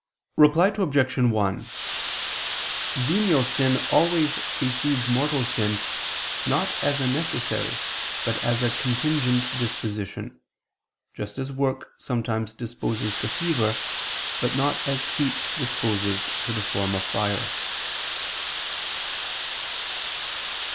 Reply Obj. 1: Venial sin always precedes mortal sin not as a necessary, but as a contingent disposition, just as work sometimes disposes to fever, but not as heat disposes to the form of fire.